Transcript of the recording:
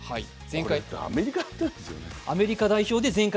これ、アメリカ行ったんですよね。